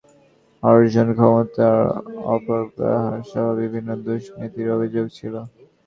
তাঁদের বিরুদ্ধে অবৈধ সম্পদ অর্জন, ক্ষমতার অপব্যবহারসহ বিভিন্ন দুর্নীতির অভিযোগ ছিল।